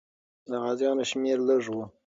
د غازیانو شمېر لږ وو.